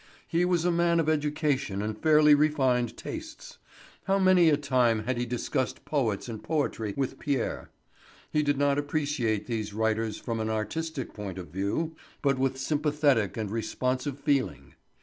He was a man of education and fairly refined tastes. How many a time had he discussed poets and poetry with Pierre. He did not appreciate these writers from an artistic point of view, but with sympathetic and responsive feeling.